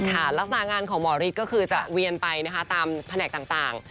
ค่ะรักษางานของหมอฤทธิ์ก็คือจะเวียนไปตามแผนกต่าง